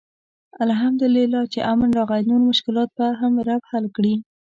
الحمدالله چې امن راغی، نور مشکلات به هم رب حل کړي.